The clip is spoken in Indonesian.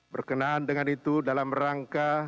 berkenaan dengan itu dalam rangka